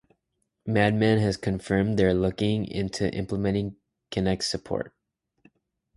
Madman has confirmed they're looking into implementing Kinect support.